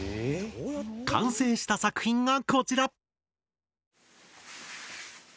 完成した作品がこちら！